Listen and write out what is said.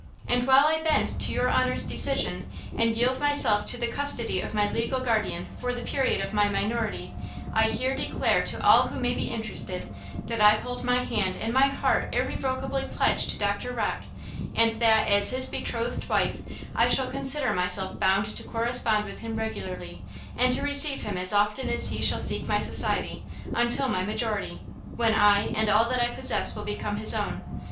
And while I bend to your honor's decision, and yield myself to the custody of my legal guardian for the period of my minority, I here declare to all who may be interested, that I hold my hand and heart irrevocably pledged to Doctor Rocke, and that, as his betrothed wife, I shall consider myself bound to correspond with him regularly, and to receive him as often as he shall seek my society, until my majority, when I and all that I possess will become his own.